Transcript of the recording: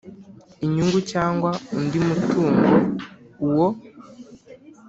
inyungu cyangwa undi mutungo uwo